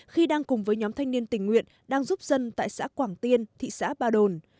khi đang cùng với nhóm thanh niên tình nguyện đang giúp dân tại xã quảng tiên thị xã ba đồn